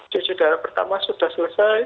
cuci darah pertama sudah selesai